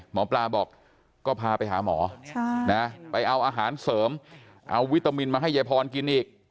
หมอปลาบอกก็พาไปหาหมอไปเอาอาหารเสริมเอาวิตามินมาให้ยายพรกินอีก